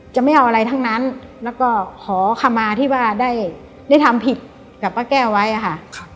ไม่เอาอะไรทั้งนั้นแล้วก็ขอคำมาที่ว่าได้ทำผิดกับป้าแก้วไว้อะค่ะ